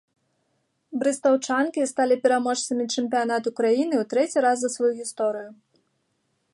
Брэстаўчанкі сталі пераможцамі чэмпіянату краіны ў трэці раз за сваю гісторыю.